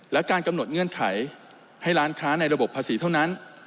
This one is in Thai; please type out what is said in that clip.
และการกำหนดเงื่อนไขให้ร้านค้าในระบบภาษีเท่านั้น